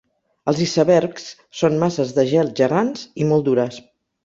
Els icebergs són masses de gel gegants i molt dures.